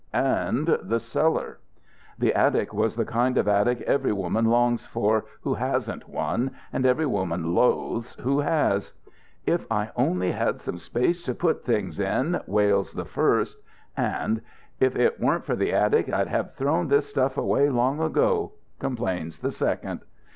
And the cellar! The attic was the kind of attic every woman longs for who hasn't one and every woman loathes who has. "If I only had some place to put things in!" wails the first. And, "If it weren't for the attic I'd have thrown this stuff away long ago," complains the second.